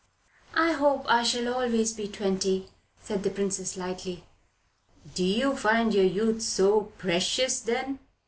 "I hope I shall always be twenty," said the Princess lightly. "Do you find your youth so precious, then?"